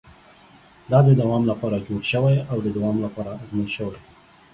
دا د دوام لپاره جوړ شوی او د دوام لپاره ازمول شوی.